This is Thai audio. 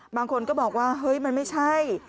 บางคนก็บอกว่าเฮ้ยมันไม่ใช่